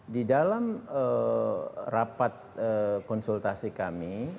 di dalam rapat konsultasi kami